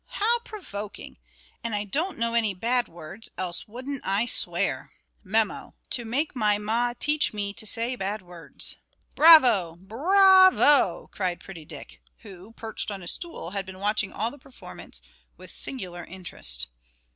How provoking! and I don't know any bad words, else wouldn't I swear! Memo: to make my ma teach me to say bad words." "Bravo! Brr r ravo!" cried pretty Dick, who, perched on a stool, had been watching all the performance with singular interest.